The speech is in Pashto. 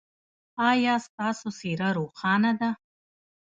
ایا ستاسو څیره روښانه ده؟